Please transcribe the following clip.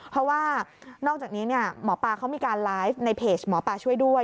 เพราะว่านอกจากนี้หมอปลาเขามีการไลฟ์ในเพจหมอปลาช่วยด้วย